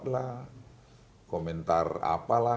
kalau enggak orang pergi naik pesawat